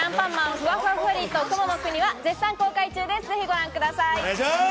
ふわふわフワリーと雲の国』は絶賛公開中です。